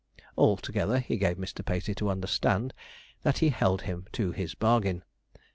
Altogether, he gave Mr. Pacey to understand that he held him to his bargain.